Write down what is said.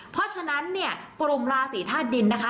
เพราะฉะนั้นเนี่ยกรมราศีธาตุดินนะคะ